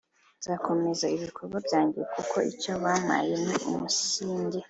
nzakomeza ibikorwa byanjye kuko icyo bampaye ni umusingi